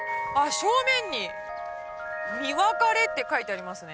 正面に「水分れ」って書いてありますね